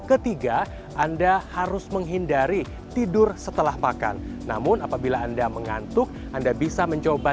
ketiga anda harus menghindari tidur setelah makan namun apabila anda mengantuk anda bisa mencoba